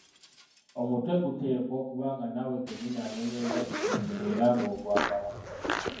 Omutwe guteekwa okuba nga naawe kennyini anoonyereza gukunyumira era ng’ogwagala.